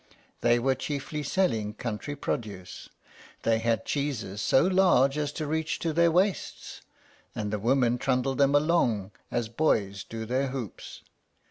They were chiefly selling country produce. They had cheeses so large as to reach to their waists, and the women trundled them along as boys do their hoops.